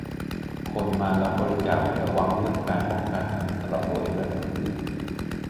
คนมารับบริจาคไม่ระวังเรื่องการป้องกันทั้งสำหรับตัวเองและคนอื่น